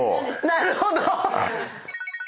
「なるほど」！